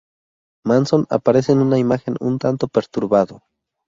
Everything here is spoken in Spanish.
Manson aparece en una imagen un tanto perturbado.